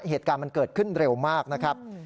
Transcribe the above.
เหตุการณ์มันเกิดขึ้นเร็วมากนะครับ